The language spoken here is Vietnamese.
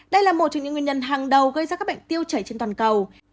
đây là một trong những nguyên nhân hàng đầu gây ra các bệnh tiêu chảy trên toàn cầu